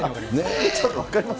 ちょっと分かります？